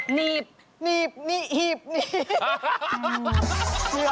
หนีบหนีบหนีบหนีบ